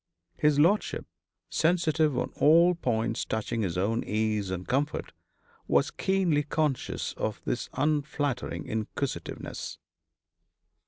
His lordship, sensitive on all points touching his own ease and comfort, was keenly conscious of this unflattering inquisitiveness.